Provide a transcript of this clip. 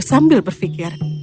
dia sambil berpikir